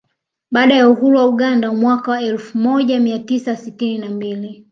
Baada ya uhuru wa Uganda mwaka mwaka elfu moja mia tisa sitini na mbili